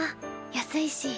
安いし。